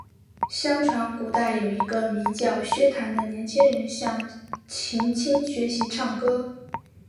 相传古代有一个名叫薛谭的年轻人向秦青学习唱歌。